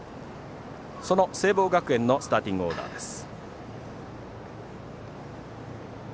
その聖望学園のスターティングオーダーです。